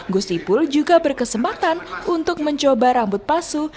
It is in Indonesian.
gusti puhl juga berkesempatan untuk mencoba rambut pasu